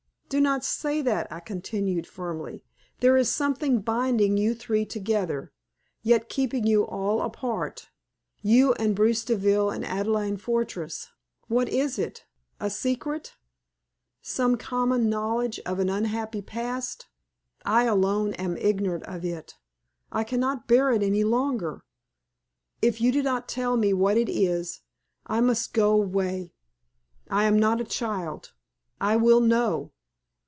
"Do not say that," I continued, firmly. "There is something binding you three together, yet keeping you all apart. You and Bruce Deville and Adelaide Fortress. What is it? A secret? Some common knowledge of an unhappy past? I alone am ignorant of it; I cannot bear it any longer. If you do not tell me what it is I must go away. I am not a child I will know!"